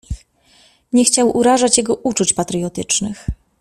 Nie chciał urażać jego uczuć patriotycznych.